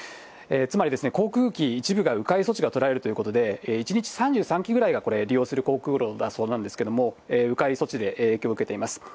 つまり、航空機一部がう回措置が取られるということで、１日３３機ぐらいがこれ、利用する航空路だそうなんですけども、う回措置で影響を受けています。